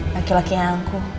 laki laki yang angkuh